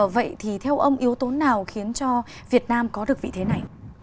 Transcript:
vậy thì theo ông yếu tố nào khiến cho việt nam có được vị thế này